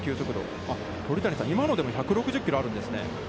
鳥谷さん、今のでも１５０キロあるんですね。